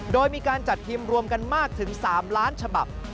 โดยมีการจัดพิมพ์รวมกันมากถึง๓ล้านฉบับ